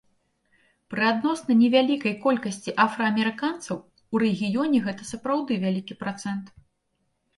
Пры адносна невялікай колькасці афраамерыканцаў у рэгіёне гэта сапраўды вялікі працэнт.